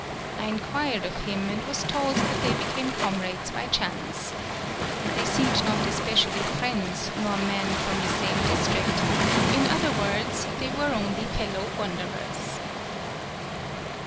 I in quired of him, and was told that they became comrades by chance. They seemed not especially friends nor men from the same district; in other words, they were only fellow wanderers.